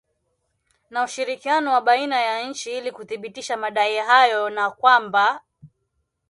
na ushirikiano wa baina ya nchi ili kuthibitisha madai hayo na kwamba